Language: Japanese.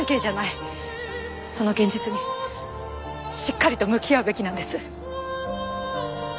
その現実にしっかりと向き合うべきなんです。